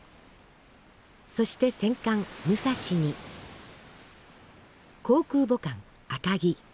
そして戦艦「武蔵」に航空母艦「赤城」。